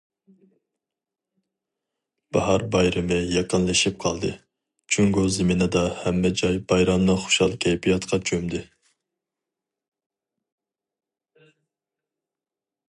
باھار بايرىمى يېقىنلىشىپ قالدى، جۇڭگو زېمىنىدا ھەممە جاي بايراملىق خۇشال كەيپىياتقا چۆمدى.